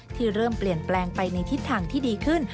ที่เริ่มเปลี่ยนแปลงไปในทิศทางที่ดีขึ้น